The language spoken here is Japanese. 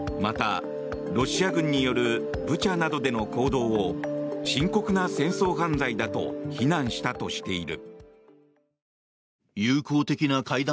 また、ロシア軍によるブチャなどでの行動を深刻な戦争犯罪だと非難したとしている。